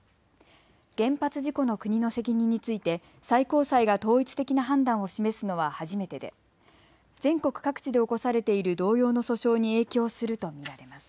原発事故の国の責任について最高裁が統一的な判断を示すのは初めてで全国各地で起こされている同様の訴訟に影響すると見られます。